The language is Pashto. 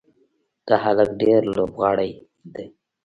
دا هلک ډېر لوبغاړی دی.